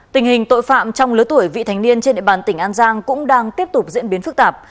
tình hình tội phạm trong lứa tuổi vị thành niên trên địa bàn tỉnh an giang cũng đang tiếp tục diễn biến phức tạp